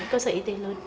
cơ sở y tế lớn